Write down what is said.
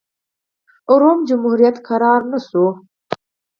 روم جمهوریت ارام نه شو.